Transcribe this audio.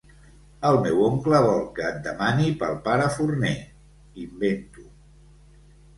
El meu oncle vol que et demani pel pare Forner —invento.